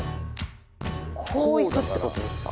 こういくってことですか？